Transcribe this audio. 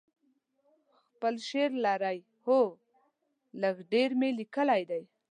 خپل شعر لرئ؟ هو، لږ ډیر می لیکلي ده